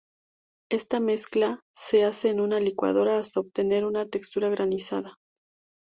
Esta mezcla se hace en una licuadora hasta obtener una textura granizada.